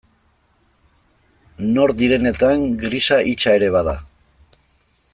Nor direnetan grisa hitsa ere bada.